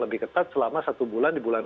lebih ketat selama satu bulan di bulan